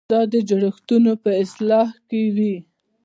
دا د جوړښتونو په اصلاح کې وي.